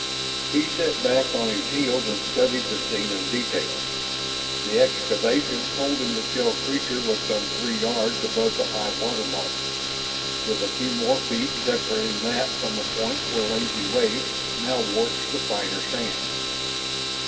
He sat back on his heels and studied the scene in detail. The excavation holding the shelled creature was some three yards above the high water mark, with a few more feet separating that from the point where lazy waves now washed the finer sand.